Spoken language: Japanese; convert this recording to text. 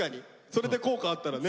それで効果あったらね。